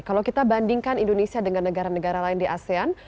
kalau kita bandingkan indonesia dengan negara negara lain di asean